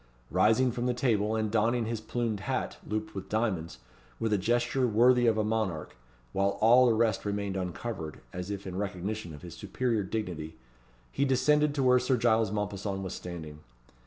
Rising from the table, and donning his plumed hat, looped with diamonds, with a gesture worthy of a monarch, while all the rest remained uncovered, as if in recognition of his superior dignity, he descended to where Sir Giles Mompesson was standing.